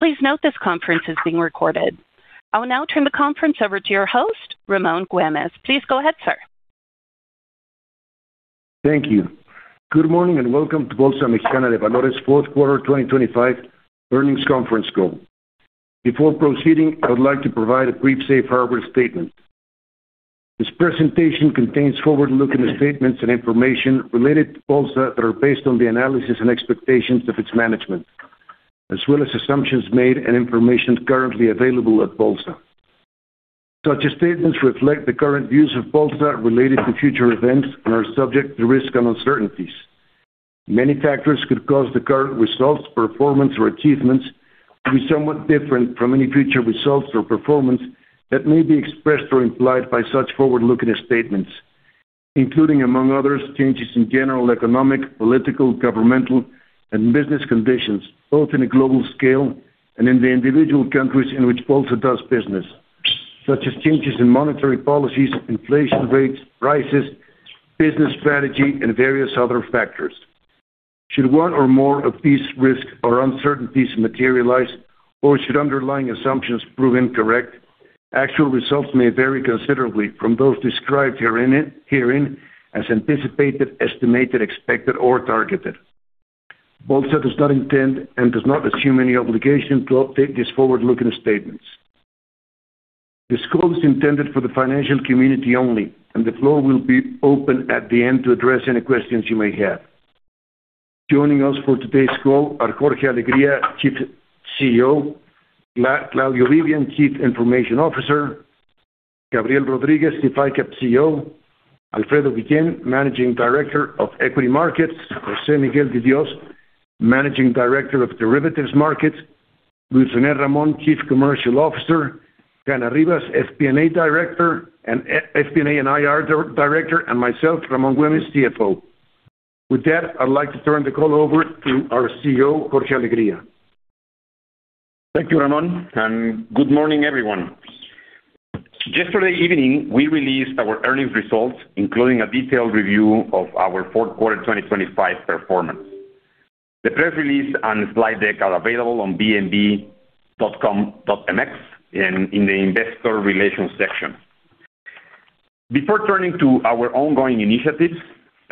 Please note this conference is being recorded. I will now turn the conference over to your host, Ramón Güémez. Please go ahead, sir. Thank you. Good morning and welcome to Bolsa Mexicana de Valores Fourth Quarter 2025 Earnings Conference Call. Before proceeding, I would like to provide a brief safe harbor statement. This presentation contains forward-looking statements and information related to Bolsa that are based on the analysis and expectations of its management, as well as assumptions made and information currently available at Bolsa. Such statements reflect the current views of Bolsa related to future events and are subject to risk and uncertainties. Many factors could cause the current results, performance, or achievements to be somewhat different from any future results or performance that may be expressed or implied by such forward-looking statements, including, among others, changes in general economic, political, governmental, and business conditions, both on a global scale and in the individual countries in which Bolsa does business, such as changes in monetary policies, inflation rates, prices, business strategy, and various other factors. Should one or more of these risks or uncertainties materialize, or should underlying assumptions prove incorrect, actual results may vary considerably from those described herein as anticipated, estimated, expected, or targeted. Bolsa does not intend and does not assume any obligation to update these forward-looking statements. This call is intended for the financial community only, and the floor will be open at the end to address any questions you may have. Joining us for today's call are Jorge Alegría, CEO; Claudio Vivian, Chief Information Officer; Gabriel Rodríguez, Indeval CEO; Alfredo Guillén, Managing Director of Equity Markets; José Miguel De Dios, Managing Director of Derivatives Markets; Luis René Ramón, Chief Commercial Officer; Hanna Rivas, FP&A Director and IR Director; and myself, Ramón Güémez, CFO. With that, I'd like to turn the call over to our CEO, Jorge Alegría. Thank you, Ramón, and good morning, everyone. Yesterday evening, we released our earnings results, including a detailed review of our fourth quarter 2025 performance. The press release and slide deck are available on bmv.com.mx and in the Investor Relations section. Before turning to our ongoing initiatives,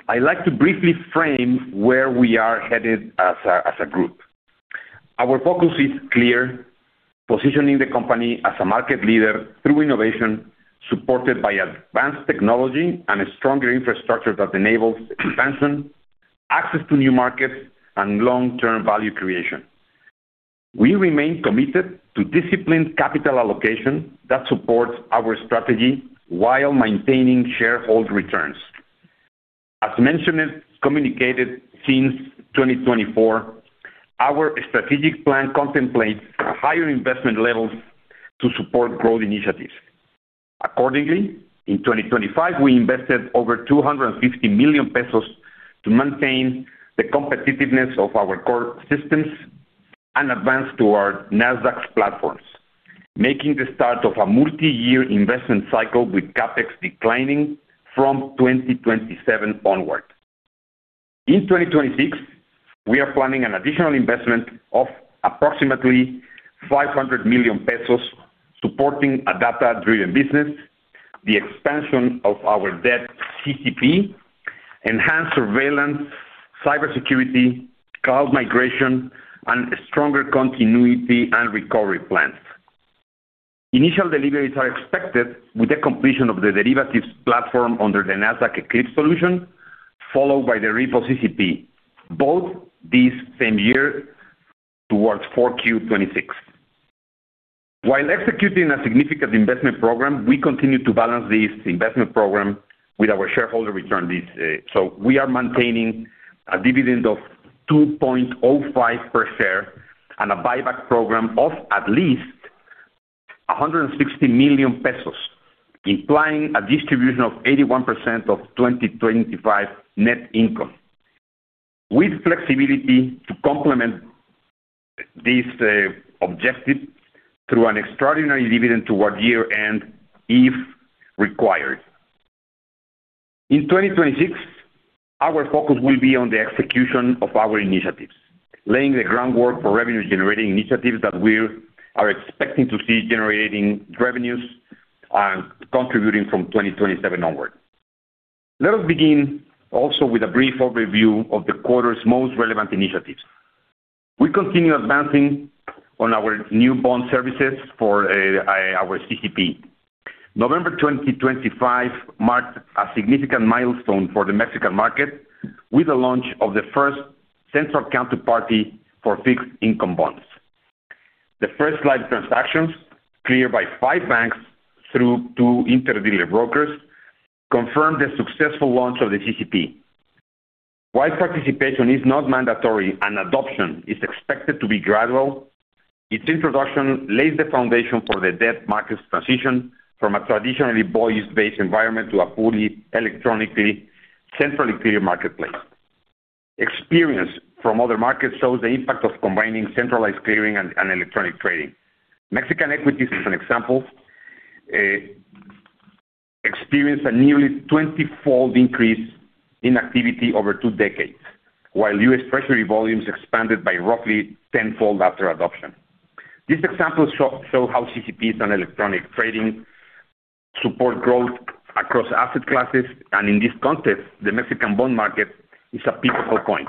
I'd like to briefly frame where we are headed as a group. Our focus is clear: positioning the company as a market leader through innovation supported by advanced technology and a stronger infrastructure that enables expansion, access to new markets, and long-term value creation. We remain committed to disciplined capital allocation that supports our strategy while maintaining shareholder returns. As mentioned and communicated since 2024, our strategic plan contemplates higher investment levels to support growth initiatives. Accordingly, in 2025, we invested over 250 million pesos to maintain the competitiveness of our core systems and advance to our Nasdaq platforms, making the start of a multi-year investment cycle with CapEx declining from 2027 onward. In 2026, we are planning an additional investment of approximately 500 million pesos supporting a data-driven business, the expansion of our debt CCP, enhanced surveillance, cybersecurity, cloud migration, and stronger continuity and recovery plans. Initial deliveries are expected with the completion of the derivatives platform under the Nasdaq Eclipse solution, followed by the repo CCP, both this same year towards 4Q 2026. While executing a significant investment program, we continue to balance this investment program with our shareholder returns. So we are maintaining a dividend of 2.05 per share and a buyback program of at least 160 million pesos, implying a distribution of 81% of 2025 net income, with flexibility to complement this objective through an extraordinary dividend toward year-end if required. In 2026, our focus will be on the execution of our initiatives, laying the groundwork for revenue-generating initiatives that we are expecting to see generating revenues and contributing from 2027 onward. Let us begin also with a brief overview of the quarter's most relevant initiatives. We continue advancing on our new bond services for our CCP. November 2025 marked a significant milestone for the Mexican market with the launch of the first central counterparty for fixed income bonds. The first live transactions, cleared by five banks through two interdealer brokers, confirmed the successful launch of the CCP. While participation is not mandatory and adoption is expected to be gradual, its introduction lays the foundation for the debt markets transition from a traditionally voice-based environment to a fully electronically centralized clear marketplace. Experience from other markets shows the impact of combining centralized clearing and electronic trading. Mexican equities, as an example, experienced a nearly 20-fold increase in activity over two decades, while U.S. treasury volumes expanded by roughly tenfold after adoption. These examples show how CCPs and electronic trading support growth across asset classes, and in this context, the Mexican bond market is a pivotal point.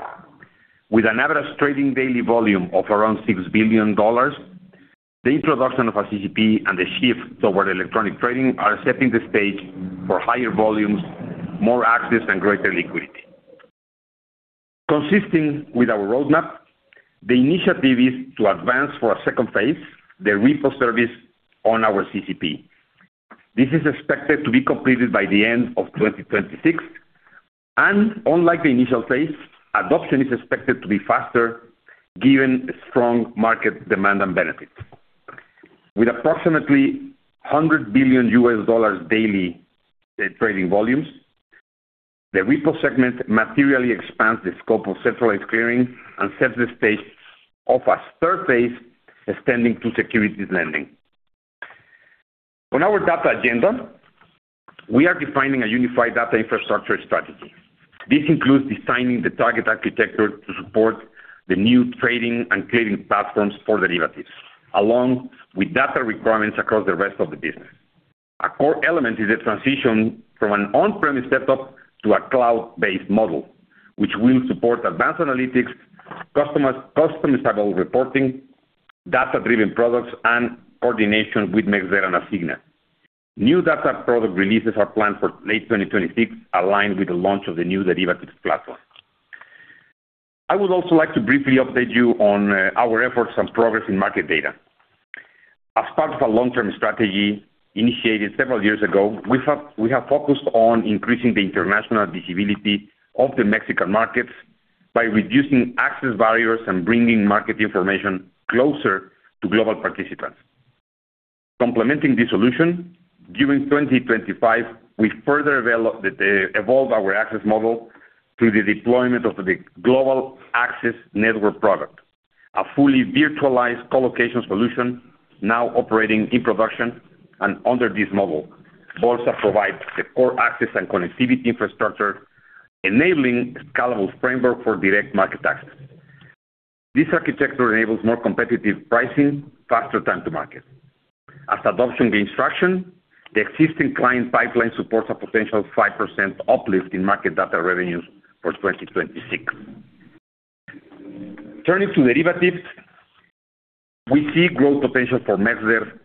With an average trading daily volume of around $6 billion, the introduction of a CCP and the shift toward electronic trading are setting the stage for higher volumes, more access, and greater liquidity. Consistent with our roadmap, the initiative is to advance for a second phase, the repo service on our CCP. This is expected to be completed by the end of 2026. Unlike the initial phase, adoption is expected to be faster given strong market demand and benefits. With approximately $100 billion daily trading volumes, the repo segment materially expands the scope of centralized clearing and sets the stage of a third phase extending to securities lending. On our data agenda, we are defining a unified data infrastructure strategy. This includes designing the target architecture to support the new trading and clearing platforms for derivatives, along with data requirements across the rest of the business. A core element is the transition from an on-premise setup to a cloud-based model, which will support advanced analytics, customizable reporting, data-driven products, and coordination with MexDer and Asigna. New data product releases are planned for late 2026, aligned with the launch of the new derivatives platform. I would also like to briefly update you on our efforts and progress in market data. As part of a long-term strategy initiated several years ago, we have focused on increasing the international visibility of the Mexican markets by reducing access barriers and bringing market information closer to global participants. Complementing this solution, during 2025, we further evolved our access model through the deployment of the Global Access Network product, a fully virtualized colocation solution now operating in production and under this model. Bolsa provides the core access and connectivity infrastructure, enabling a scalable framework for direct market access. This architecture enables more competitive pricing, faster time to market. As adoption gains traction, the existing client pipeline supports a potential 5% uplift in market data revenues for 2026. Turning to derivatives, we see growth potential for MexDer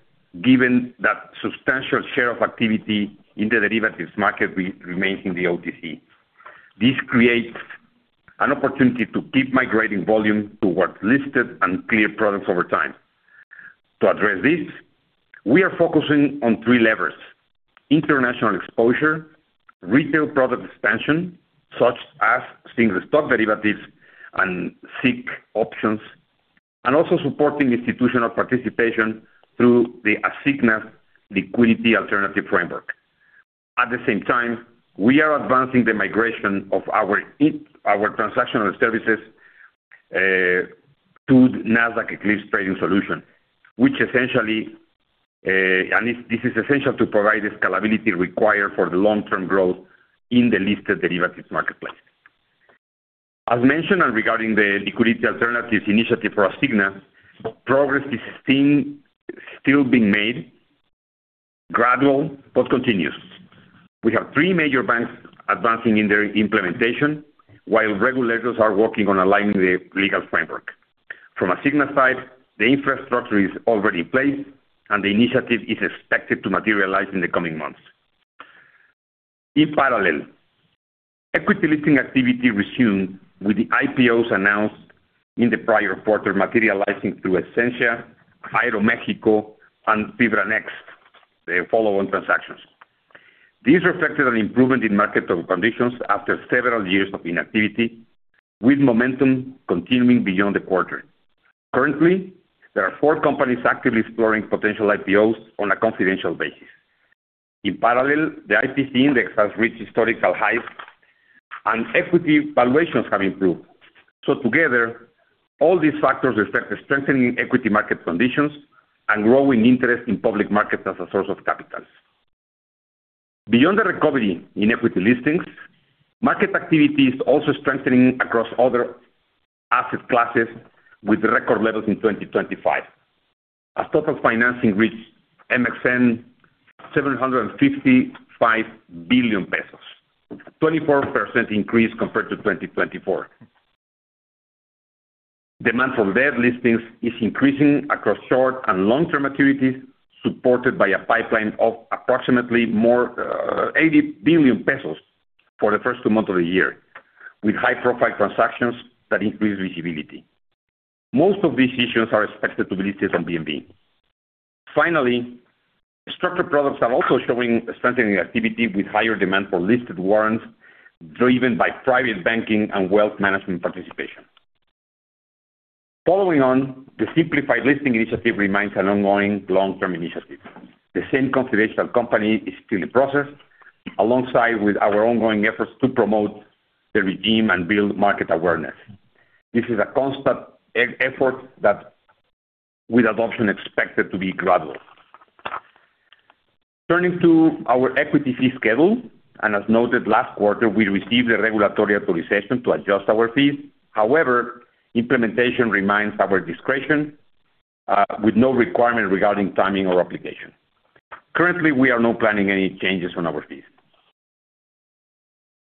given that a substantial share of activity in the derivatives market remains in the OTC. This creates an opportunity to keep migrating volume towards listed and clear products over time. To address this, we are focusing on three levers: international exposure, retail product expansion such as single stock derivatives and SIC options, and also supporting institutional participation through the Asigna liquidity alternative framework. At the same time, we are advancing the migration of our transactional services to the Nasdaq Eclipse trading solution, which essentially and this is essential to provide the scalability required for the long-term growth in the listed derivatives marketplace. As mentioned regarding the liquidity alternatives initiative for Asigna, progress is still being made, gradual, but continuous. We have three major banks advancing in their implementation, while regulators are working on aligning the legal framework. From Asigna side, the infrastructure is already in place, and the initiative is expected to materialize in the coming months. In parallel, equity listing activity resumed with the IPOs announced in the prior quarter materializing through Esentia, Aeroméxico, and Fibra Next, the follow-on transactions. This reflected an improvement in market conditions after several years of inactivity, with momentum continuing beyond the quarter. Currently, there are four companies actively exploring potential IPOs on a confidential basis. In parallel, the IPC index has reached historical highs, and equity valuations have improved. So together, all these factors reflect strengthening equity market conditions and growing interest in public markets as a source of capital. Beyond the recovery in equity listings, market activity is also strengthening across other asset classes with record levels in 2025. As total financing reached 755 billion pesos, a 24% increase compared to 2024. Demand for debt listings is increasing across short and long-term maturities, supported by a pipeline of approximately more than 80 billion pesos for the first two months of the year, with high-profile transactions that increase visibility. Most of these issues are expected to be listed on BMV. Finally, structured products are also showing strengthening activity with higher demand for listed warrants driven by private banking and wealth management participation. Following on, the simplified listing initiative remains an ongoing long-term initiative. The same confidential company is still in process alongside our ongoing efforts to promote the regime and build market awareness. This is a constant effort that, with adoption, is expected to be gradual. Turning to our equity fee schedule, and as noted, last quarter, we received the regulatory authorization to adjust our fees. However, implementation remains at our discretion, with no requirement regarding timing or application. Currently, we are not planning any changes on our fees.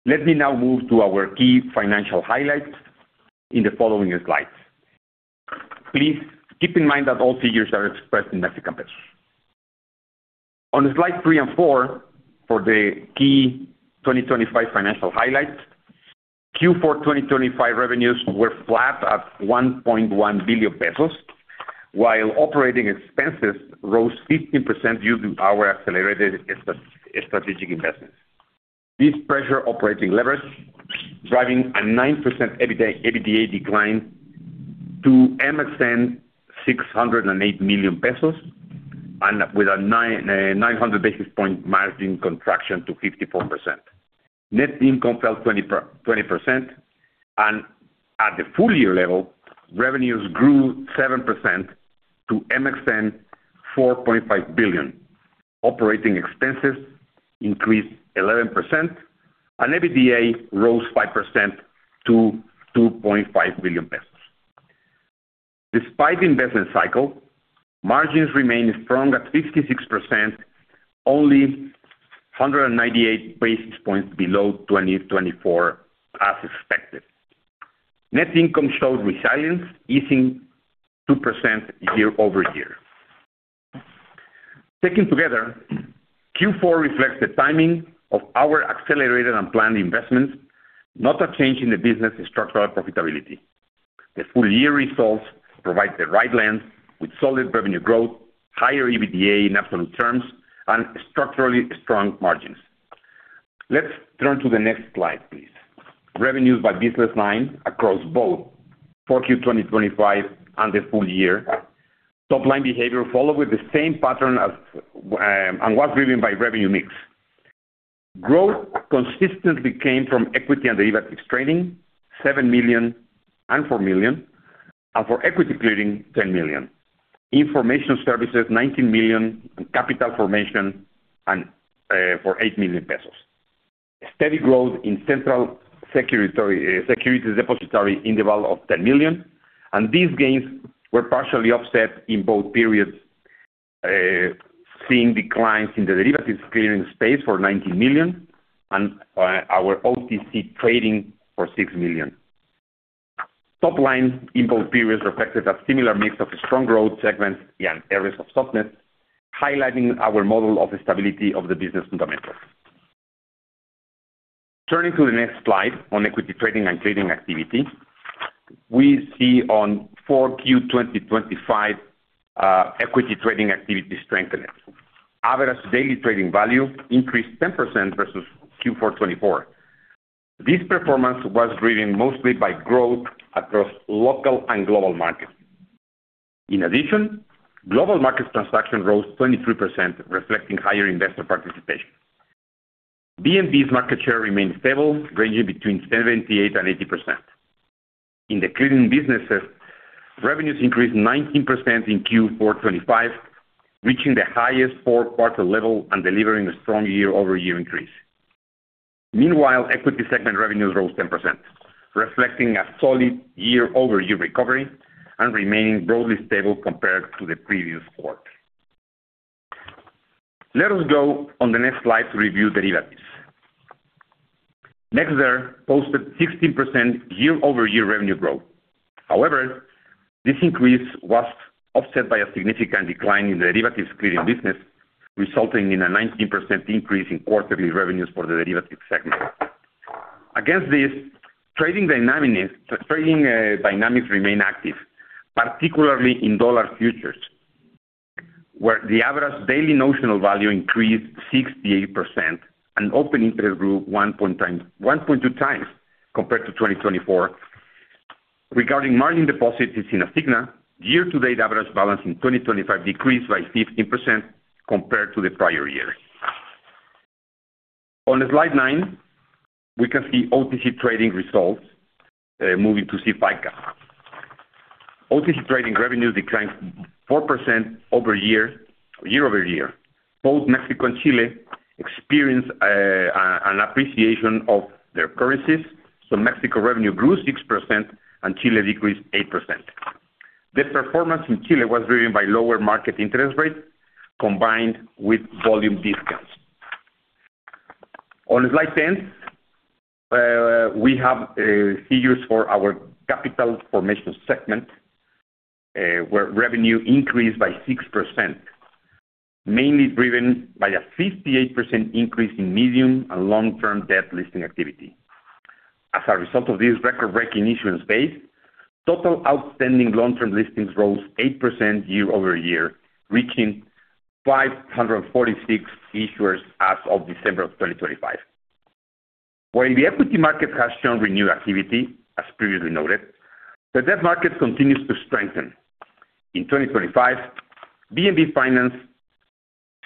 Let me now move to our key financial highlights in the following slides. Please keep in mind that all figures are expressed in Mexican pesos. On slide three and four for the key 2025 financial highlights, Q4 2025 revenues were flat at 1.1 billion pesos, while operating expenses rose 15% due to our accelerated strategic investments. This pressure operating levers drive a 9% EBITDA decline to 608 million pesos, with a 900 basis point margin contraction to 54%. Net income fell 20%, and at the full year level, revenues grew 7% to MXN 4.5 billion. Operating expenses increased 11%, and EBITDA rose 5% to 2.5 billion pesos. Despite the investment cycle, margins remain strong at 56%, only 198 basis points below 2024 as expected. Net income showed resilience, easing 2% year-over-year. Taken together, Q4 reflects the timing of our accelerated and planned investments, not a change in the business structural profitability. The full year results provide the right lens with solid revenue growth, higher EBITDA in absolute terms, and structurally strong margins. Let's turn to the next slide, please. Revenues by business line across both 4Q2025 and the full year. Top line behavior followed with the same pattern as and was driven by revenue mix. Growth consistently came from equity and derivatives trading, 7 million and 4 million, and for equity clearing, 10 million. Information services, 19 million, and capital formation for 8 million pesos. Steady growth in central securities depository Indeval of 10 million, and these gains were partially offset in both periods, seeing declines in the derivatives clearing space for 19 million and our OTC trading for 6 million. Top line in both periods reflected a similar mix of strong growth segments and areas of softness, highlighting our model of stability of the business fundamentals. Turning to the next slide on equity trading and clearing activity, we see on Q4 2025 equity trading activity strengthened. Average daily trading value increased 10% versus Q4 2024. This performance was driven mostly by growth across local and global markets. In addition, global markets transaction rose 23%, reflecting higher investor participation. BMV's market share remained stable, ranging between 78% and 80%. In the clearing businesses, revenues increased 19% in Q4 2025, reaching the highest four-quarter level and delivering a strong year-over-year increase. Meanwhile, equity segment revenues rose 10%, reflecting a solid year-over-year recovery and remaining broadly stable compared to the previous quarter. Let us go on the next slide to review derivatives. MexDer posted 16% year-over-year revenue growth. However, this increase was offset by a significant decline in the derivatives clearing business, resulting in a 19% increase in quarterly revenues for the derivatives segment. Against this, trading dynamics remain active, particularly in dollar futures, where the average daily notional value increased 68% and open interest grew 1.2x compared to 2024. Regarding margin deposits in Asigna, year-to-date average balance in 2025 decreased by 15% compared to the prior year. On slide nine, we can see OTC trading results moving to SIF ICAP. OTC trading revenues declined 4% year-over-year. Both Mexico and Chile experienced an appreciation of their currencies. So Mexico revenue grew 6% and Chile decreased 8%. The performance in Chile was driven by lower market interest rates combined with volume discounts. On slide 10, we have figures for our capital formation segment, where revenue increased by 6%, mainly driven by a 58% increase in medium and long-term debt listing activity. As a result of this record-breaking issuance base, total outstanding long-term listings rose 8% year-over-year, reaching 546 issuers as of December of 2025. While the equity market has shown renewed activity, as previously noted, the debt market continues to strengthen. In 2025, BMV financed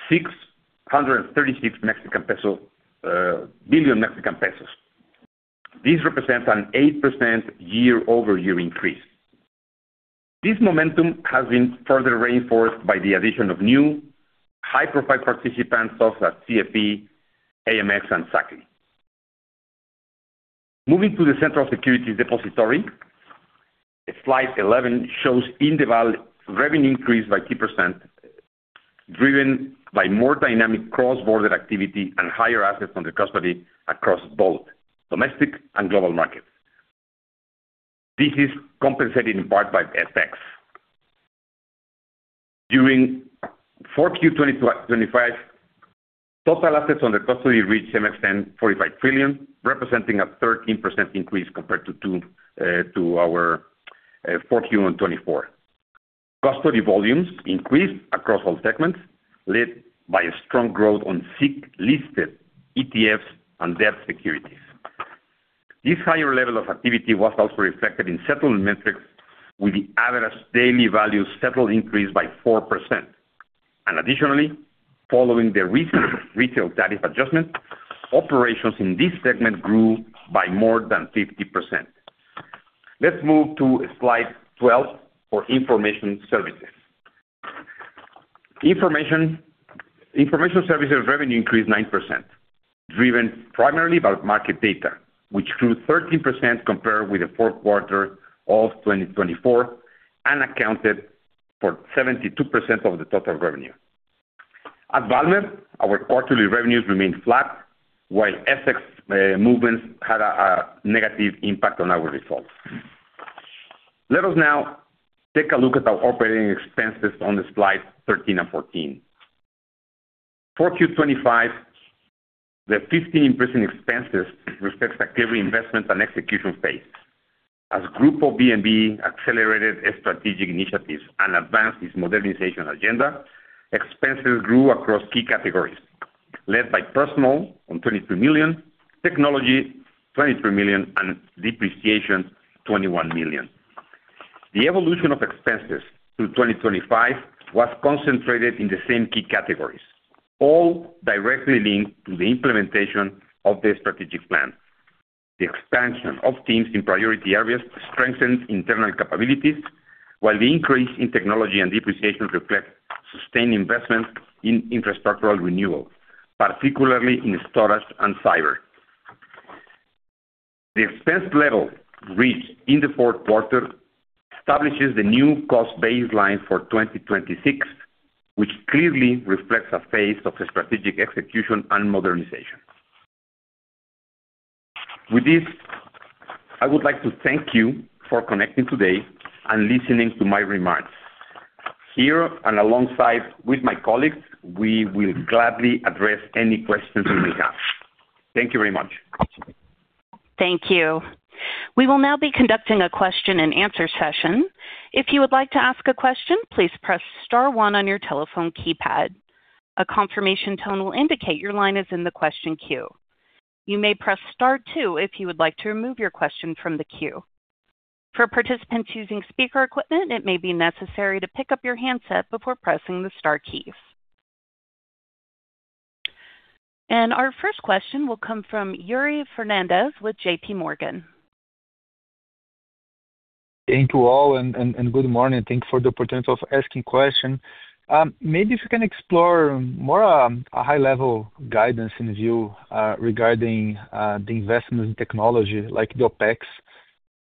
636 billion Mexican pesos. This represents an 8% year-over-year increase. This momentum has been further reinforced by the addition of new high-profile participants such as CFE, AMX, and SACI. Moving to the central securities depository, slide 11 shows Indeval revenue increase by 2% driven by more dynamic cross-border activity and higher assets under custody across both domestic and global markets. This is compensated in part by FX. During 4Q 2025, total assets under custody reached 45 trillion, representing a 13% increase compared to our 4Q2024. Custody volumes increased across all segments, led by a strong growth on SIC listed ETFs and debt securities. This higher level of activity was also reflected in settlement metrics, with the average daily value settled increased by 4%. Additionally, following the recent retail tariff adjustment, operations in this segment grew by more than 50%. Let's move to slide 12 for information services. Information services revenue increased 9%, driven primarily by market data, which grew 13% compared with the fourth quarter of 2024 and accounted for 72% of the total revenue. At Valmer, our quarterly revenues remained flat, while FX movements had a negative impact on our results. Let us now take a look at our operating expenses on the slides 13 and 14. 4Q 2025, the 15% increase in expenses reflects activity investment and execution phase. As Grupo BMV accelerated strategic initiatives and advanced its modernization agenda, expenses grew across key categories, led by personnel 23 million, technology 23 million, and depreciation 21 million. The evolution of expenses through 2025 was concentrated in the same key categories, all directly linked to the implementation of the strategic plan. The expansion of teams in priority areas strengthened internal capabilities, while the increase in technology and depreciation reflected sustained investment in infrastructural renewal, particularly in storage and cyber. The expense level reached in the fourth quarter establishes the new cost baseline for 2026, which clearly reflects a phase of strategic execution and modernization. With this, I would like to thank you for connecting today and listening to my remarks. Here and alongside with my colleagues, we will gladly address any questions you may have. Thank you very much. Thank you. We will now be conducting a question-and-answer session. If you would like to ask a question, please press star one on your telephone keypad. A confirmation tone will indicate your line is in the question queue. You may press star two if you would like to remove your question from the queue. For participants using speaker equipment, it may be necessary to pick up your handset before pressing the star keys. Our first question will come from Yuri Fernandes with JPMorgan. Thank you all and good morning. Thank you for the opportunity of asking a question. Maybe if you can explore more a high-level guidance and view regarding the investments in technology, like the Opex,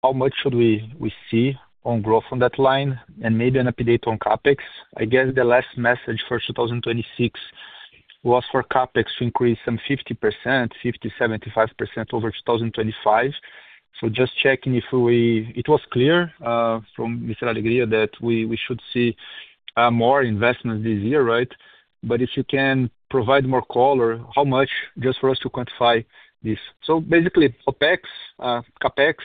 how much should we see on growth on that line and maybe an update on Capex. I guess the last message for 2026 was for Capex to increase some 50%, 50, 75% over 2025. So just checking if we it was clear from Mr. Alegría that we should see more investments this year, right? But if you can provide more color, how much just for us to quantify this? So basically, Opex, Capex,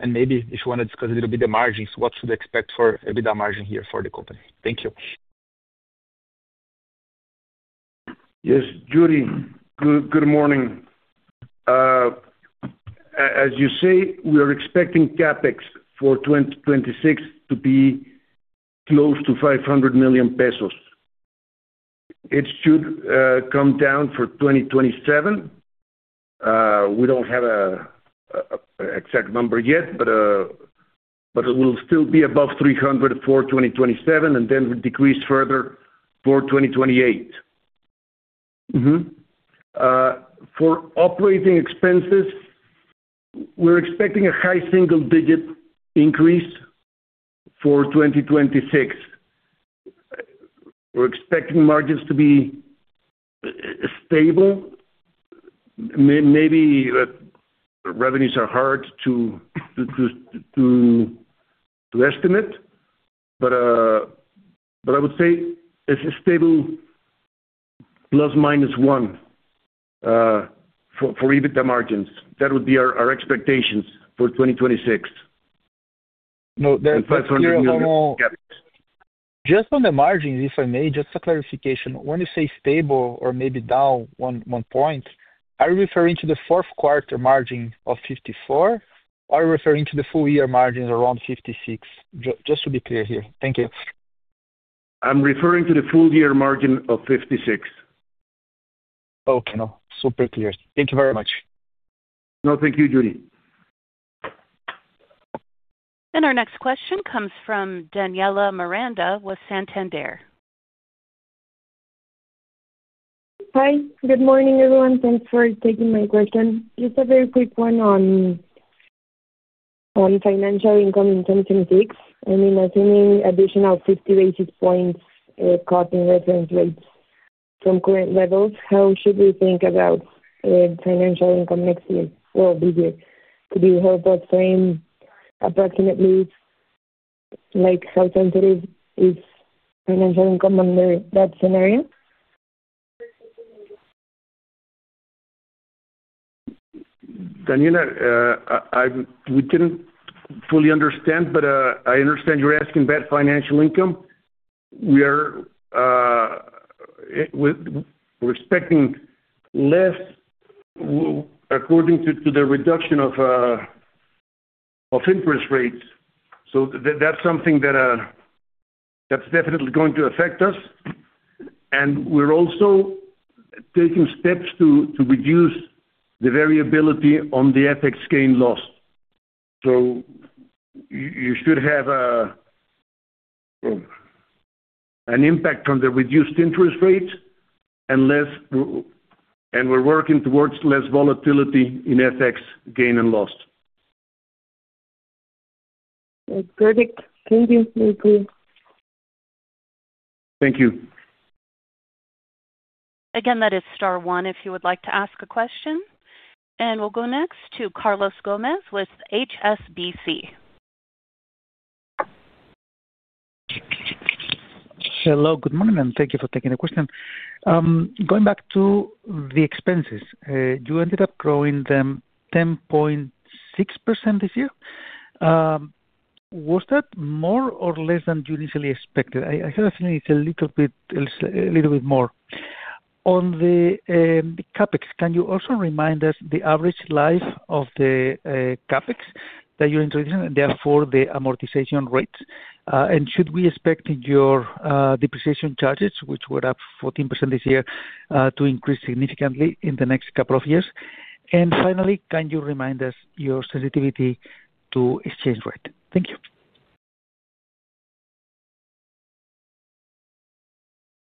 and maybe if you want to discuss a little bit the margins, what should we expect for EBITDA margin here for the company? Thank you. Yes, Yuri. Good morning. As you say, we are expecting CapEx for 2026 to be close to 500 million pesos. It should come down for 2027. We don't have an exact number yet, but it will still be above 300 million for 2027 and then decrease further for 2028. For operating expenses, we're expecting a high single-digit increase for 2026. We're expecting margins to be stable. Maybe revenues are hard to estimate, but I would say it's a stable ±1 for EBITDA margins. That would be our expectations for 2026. No, that's clear on all. And CapEx. Just on the margins, if I may, just a clarification. When you say stable or maybe down one point, are you referring to the fourth-quarter margin of 54% or are you referring to the full year margins around 56%? Just to be clear here. Thank you. I'm referring to the full year margin of 56%. Okay. No, super clear. Thank you very much. No, thank you, Yuri. Our next question comes from Daniela Miranda with Santander. Hi. Good morning, everyone. Thanks for taking my question. Just a very quick one on financial income in 2026. I mean, assuming additional 50 basis points cut in reference rates from current levels, how should we think about financial income next year or this year? Could you help us frame approximately how sensitive is financial income under that scenario? Daniela, we didn't fully understand, but I understand you're asking about financial income. We're expecting less according to the reduction of interest rates. So that's something that's definitely going to affect us. And we're also taking steps to reduce the variability on the FX gain-loss. So you should have an impact from the reduced interest rates and we're working towards less volatility in FX gain and loss. Perfect. Thank you. Thank you. Thank you. Again, that is star one if you would like to ask a question. We'll go next to Carlos Gómez with HSBC. Hello. Good morning, and thank you for taking the question. Going back to the expenses, you ended up growing them 10.6% this year. Was that more or less than you initially expected? I have a feeling it's a little bit more. On the CapEx, can you also remind us the average life of the CapEx that you're introducing, and therefore, the amortization rates? And should we expect your depreciation charges, which were up 14% this year, to increase significantly in the next couple of years? And finally, can you remind us your sensitivity to exchange rate? Thank you.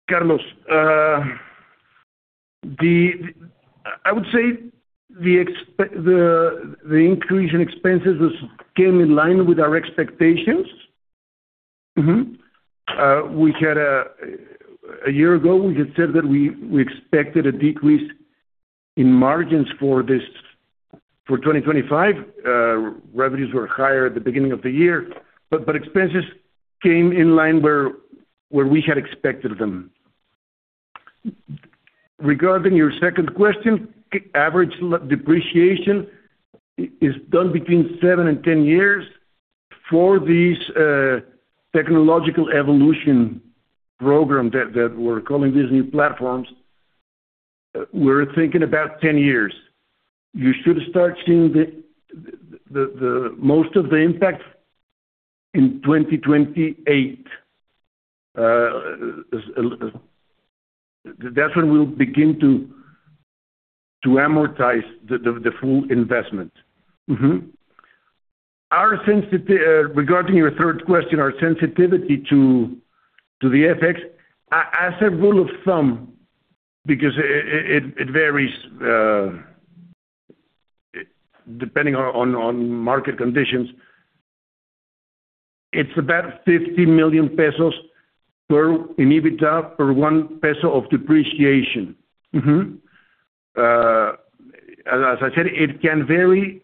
Carlos, I would say the increase in expenses came in line with our expectations. A year ago, we had said that we expected a decrease in margins for 2025. Revenues were higher at the beginning of the year, but expenses came in line where we had expected them. Regarding your second question, average depreciation is done between seven to 10 years for this technological evolution program that we're calling these new platforms. We're thinking about 10 years. You should start seeing most of the impact in 2028. That's when we'll begin to amortize the full investment. Regarding your third question, our sensitivity to the FX, as a rule of thumb, because it varies depending on market conditions, it's about 50 million pesos per in EBITDA per 1 peso of depreciation. As I said, it can vary.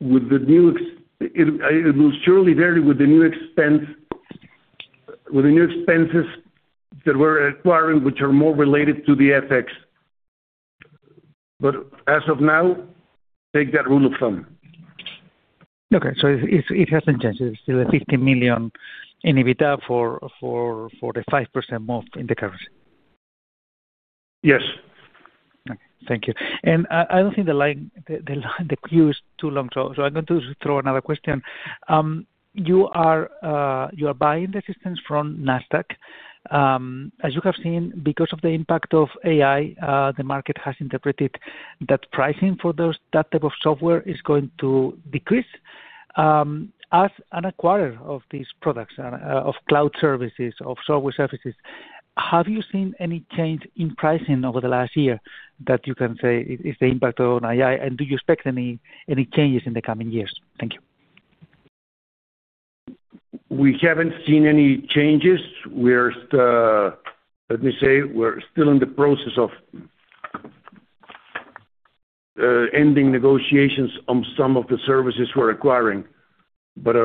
With the new it will surely vary with the new expenses that we're acquiring, which are more related to the FX. As of now, take that rule of thumb. Okay. So it hasn't changed. It's still 50 million in EBITDA for the 5% move in the currency. Yes. Okay. Thank you. And I don't think the queue is too long, so I'm going to throw another question. You are buying the systems from Nasdaq. As you have seen, because of the impact of AI, the market has interpreted that pricing for that type of software is going to decrease. As an acquirer of these products, of cloud services, of software services, have you seen any change in pricing over the last year that you can say is the impact on AI? And do you expect any changes in the coming years? Thank you. We haven't seen any changes. Let me say, we're still in the process of ending negotiations on some of the services we're acquiring, but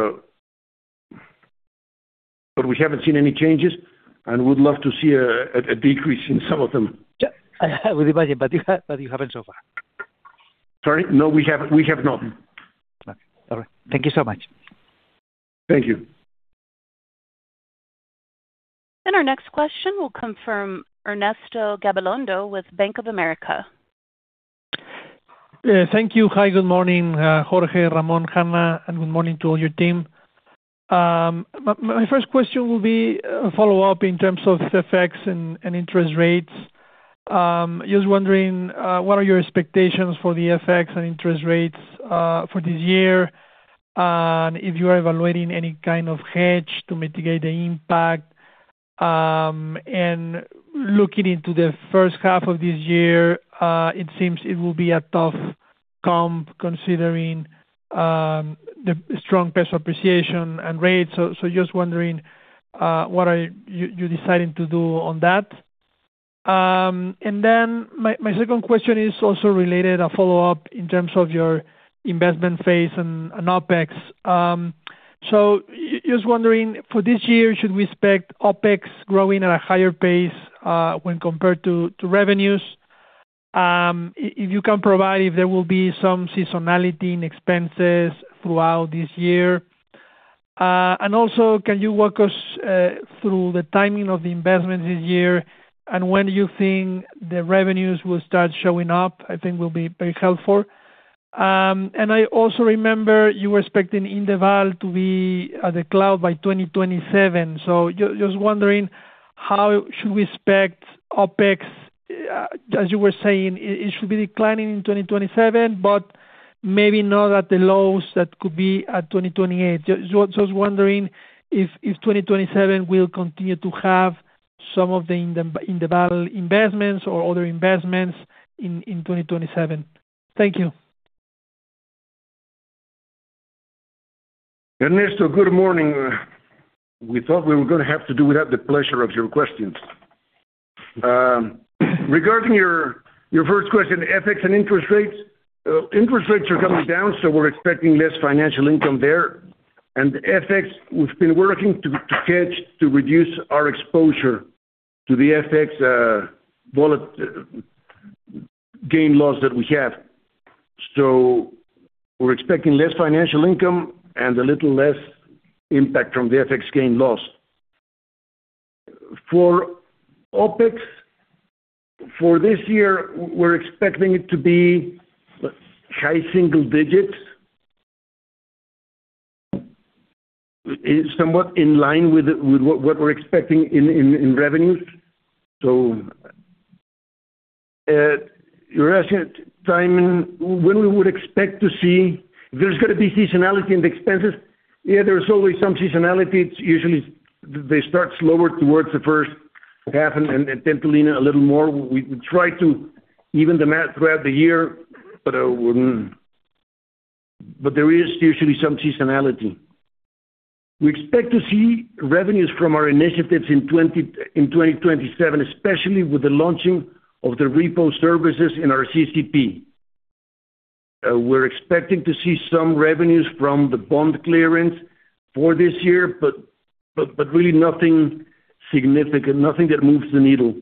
we haven't seen any changes and would love to see a decrease in some of them. I would imagine, but you haven't so far. Sorry? No, we have not. Okay. All right. Thank you so much. Thank you. Our next question will confirm Ernesto Gabilondo with Bank of America. Thank you. Hi, good morning, Jorge, Ramón, Hanna, and good morning to all your team. My first question will be a follow-up in terms of FX and interest rates. Just wondering, what are your expectations for the FX and interest rates for this year? And if you are evaluating any kind of hedge to mitigate the impact and looking into the first half of this year, it seems it will be a tough comp considering the strong peso appreciation and rates. So just wondering, what are you deciding to do on that? And then my second question is also related, a follow-up in terms of your investment phase and OpEx. So just wondering, for this year, should we expect OpEx growing at a higher pace when compared to revenues? If you can provide if there will be some seasonality in expenses throughout this year. And also, can you walk us through the timing of the investments this year and when you think the revenues will start showing up? I think will be very helpful. And I also remember you were expecting Indeval to be in the cloud by 2027. So just wondering, how should we expect OpEx? As you were saying, it should be declining in 2027, but maybe not at the lows that could be at 2028. Just wondering if 2027 will continue to have some of the Indeval investments or other investments in 2027. Thank you. Ernesto, good morning. We thought we were going to have to do without the pleasure of your questions. Regarding your first question, FX and interest rates, interest rates are coming down, so we're expecting less financial income there. And FX, we've been working to catch, to reduce our exposure to the FX gain-loss that we have. So we're expecting less financial income and a little less impact from the FX gain-loss. For OpEx, for this year, we're expecting it to be high single-digit, somewhat in line with what we're expecting in revenues. So you're asking timing, when we would expect to see if there's going to be seasonality in the expenses. Yeah, there's always some seasonality. Usually, they start slower towards the first half and tend to lean a little more. We try to even them out throughout the year, but there is usually some seasonality. We expect to see revenues from our initiatives in 2027, especially with the launching of the repo services in our CCP. We're expecting to see some revenues from the bond clearance for this year, but really nothing significant, nothing that moves the needle.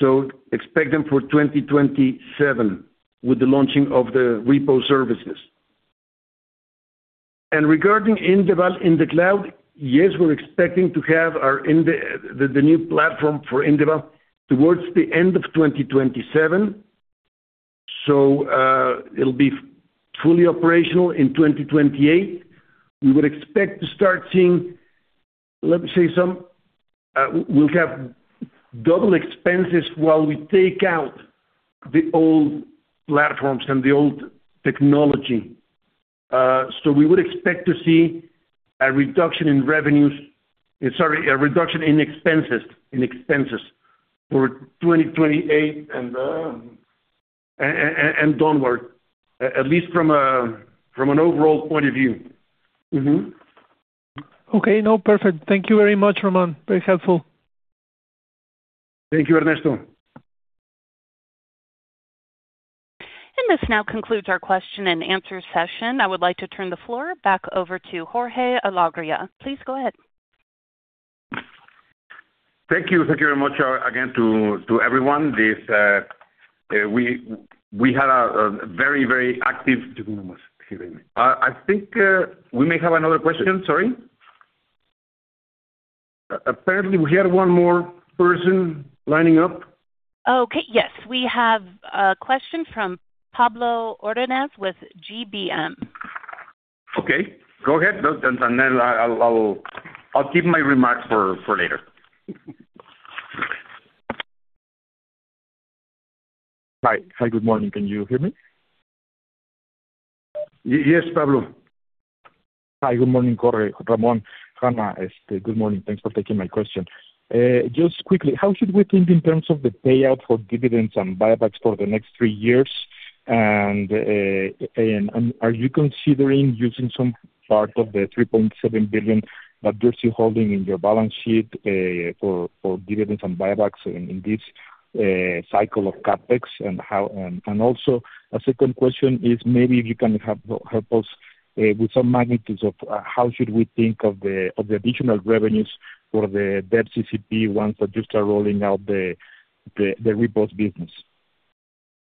So expect them for 2027 with the launching of the repo services. And regarding Indeval in the cloud, yes, we're expecting to have the new platform for Indeval towards the end of 2027. So it'll be fully operational in 2028. We would expect to start seeing, let me say, some, we'll have double expenses while we take out the old platforms and the old technology. So we would expect to see a reduction in revenues—sorry, a reduction in expenses—for 2028 and downward, at least from an overall point of view. Okay. No, perfect. Thank you very much, Ramón. Very helpful. Thank you, Ernesto. This now concludes our question and answer session. I would like to turn the floor back over to Jorge Alegría. Please go ahead. Thank you. Thank you very much again to everyone. We had a very, very active, excuse me. I think we may have another question. Sorry. Apparently, we had one more person lining up. Okay. Yes. We have a question from Pablo Ordóñez with GBM. Okay. Go ahead, Pablo. I'll keep my remarks for later. Hi. Hi, good morning. Can you hear me? Yes, Pablo. Hi, good morning, Jorge, Ramón, Hanna. Good morning. Thanks for taking my question. Just quickly, how should we think in terms of the payout for dividends and buybacks for the next three years? And are you considering using some part of the 3.7 billion that you're still holding in your balance sheet for dividends and buybacks in this cycle of capex? And also, a second question is maybe if you can help us with some magnitudes of how should we think of the additional revenues for the debt CCP once that you start rolling out the repo business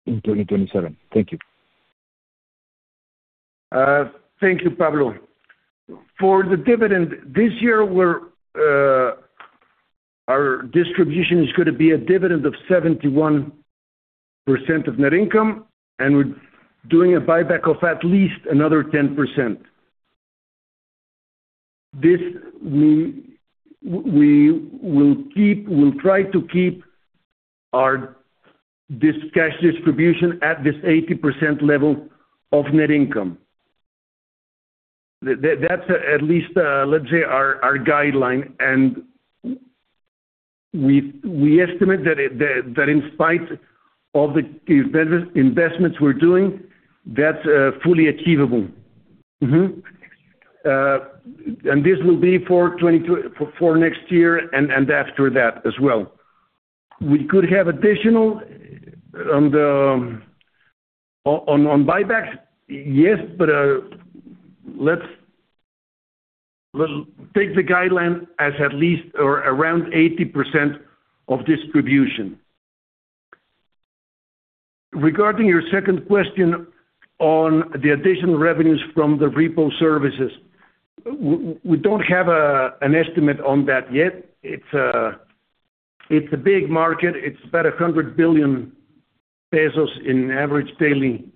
in 2027. Thank you. Thank you, Pablo. For the dividend, this year, our distribution is going to be a dividend of 71% of net income and doing a buyback of at least another 10%. We will try to keep this cash distribution at this 80% level of net income. That's at least, let's say, our guideline. And we estimate that in spite of the investments we're doing, that's fully achievable. And this will be for next year and after that as well. We could have additional on buybacks, yes, but let's take the guideline as at least around 80% of distribution. Regarding your second question on the additional revenues from the repo services, we don't have an estimate on that yet. It's a big market. It's about 100 billion pesos in average daily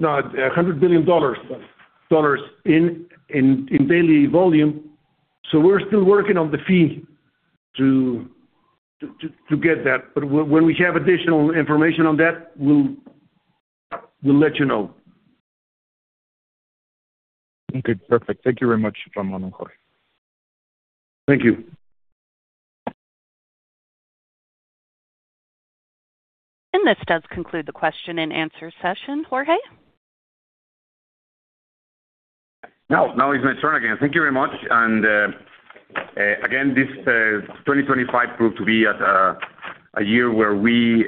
no, $100 billion in daily volume. So we're still working on the fee to get that. But when we have additional information on that, we'll let you know. Okay. Perfect. Thank you very much, Ramón and Jorge. Thank you. This does conclude the question and answer session. Jorge? No, now it's my turn again. Thank you very much. And again, this 2025 proved to be a year where we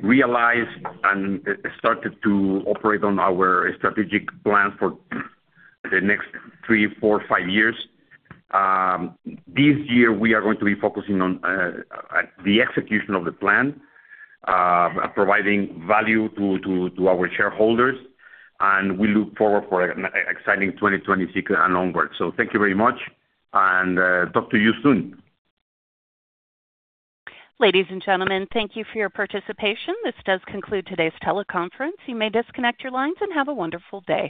realized and started to operate on our strategic plans for the next three, four, five years. This year, we are going to be focusing on the execution of the plan, providing value to our shareholders. And we look forward for an exciting 2026 and onward. So thank you very much and talk to you soon. Ladies and gentlemen, thank you for your participation. This does conclude today's teleconference. You may disconnect your lines and have a wonderful day.